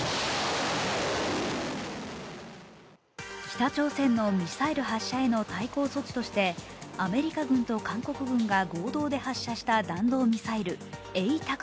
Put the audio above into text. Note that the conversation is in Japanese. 北朝鮮のミサイル発射への対抗措置として、アメリカ軍と韓国軍が合同で発射した弾道ミサイル、ＡＴＡＣＭＳ。